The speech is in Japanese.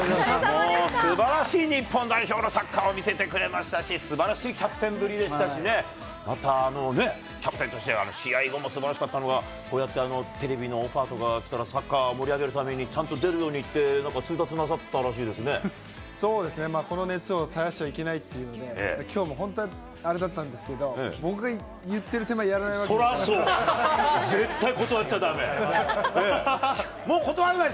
すばらしい日本代表のサッカーを見せてくれましたし、すばらしいキャプテンぶりでしたしね、またキャプテンとして試合後もすばらしかったのが、こうやってテレビのオファーとか来たら、サッカー盛り上げるために、ちゃんと出るようにって、そうですね、この熱を絶やしちゃいけないっていうので、きょうも本当はあれだったんですけど、僕が言ってる手前、やらないわけにはいかない。